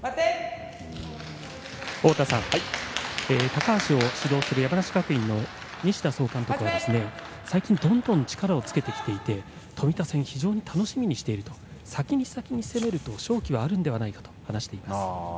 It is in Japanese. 高橋を指導する山梨学院の西田総監督は、最近どんどん力をつけてきていて冨田選手非常に楽しみにしていると先に先に攻めれると勝機はあるのではないかと話しています。